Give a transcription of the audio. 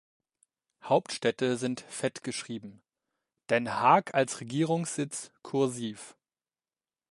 Hauptstädte sind fett geschrieben, Den Haag als Regierungssitz "kursiv".